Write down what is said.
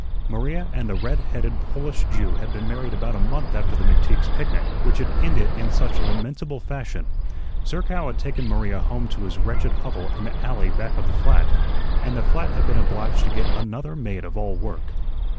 Maria and the red headed Polish Jew had been married about a month after the McTeague's picnic which had ended in such lamentable fashion. Zerkow had taken Maria home to his wretched hovel in the alley back of the flat, and the flat had been obliged to get another maid of all work.